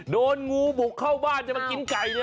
โดนงูบุกเข้าบ้านจะมากินไก่เลย